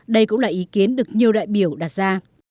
đây cũng là ý kiến được nhiều đại biểu đặt ra